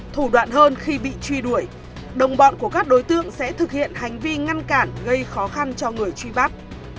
thủ đoạn hơn khi bị truy đuổi đồng bọn của các đối tượng sẽ thực hiện hành vi ngăn cản gây khó khăn cho người truy bắt